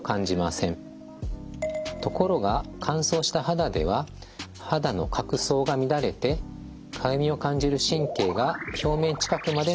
ところが乾燥した肌では肌の角層が乱れてかゆみを感じる神経が表面近くまで伸びるようになります。